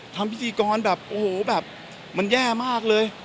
ทำพิธีกรแบบโอ้โหแบบมันแย่มากเลย